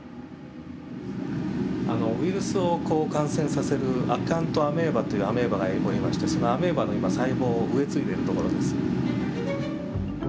ウイルスを感染させるアカウントアメーバというアメーバがおりましてそのアメーバの今細胞を植えついでいるところです。